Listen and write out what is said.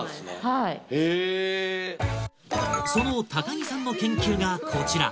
はいその高木さんの研究がこちら！